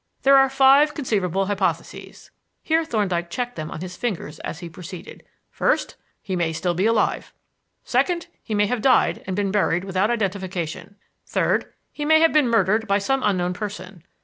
There are five conceivable hypotheses" here Thorndyke checked them on his fingers as he proceeded "First, he may still be alive. Second, he may have died and been buried without identification. Third, he may have been murdered by some unknown person.